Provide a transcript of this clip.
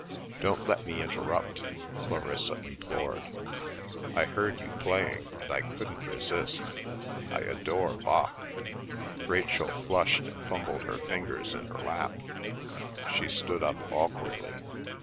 "Don't let me interrupt," Clarissa implored. "I heard you playing, and I couldn't resist. I adore Bach!" Rachel flushed and fumbled her fingers in her lap. She stood up awkwardly.